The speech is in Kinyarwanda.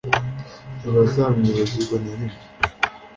ntibazamwibagirwa na rimwe,